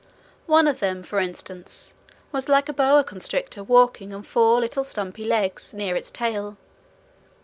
One of them, for instance, was like a boa constrictor walking on four little stumpy legs near its tail.